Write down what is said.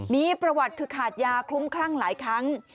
มีประวัติคือขาดยาคลุ้มคลั่งหลายครั้ง